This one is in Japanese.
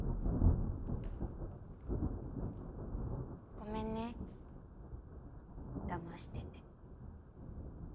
ごめんねだましてて。